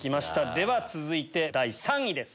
では続いて第３位です。